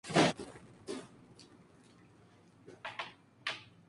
Así, Heine habría usado las mismas armas con las que fue atacado.